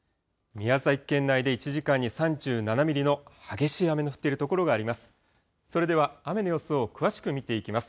宮崎県内で１時間に３７ミリの激しい雨の降っている所があります。